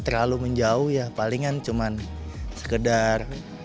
terlalu menjauh ya paling paling tidak terlalu menjauh ya paling paling tidak terlalu menjauh ya paling